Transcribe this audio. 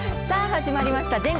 さあ、始まりました。